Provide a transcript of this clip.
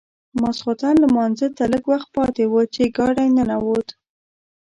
ماخوستن لمانځه ته لږ وخت پاتې و چې ګاډی ننوت.